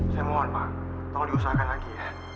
saya mohon pak tolong diusahakan lagi ya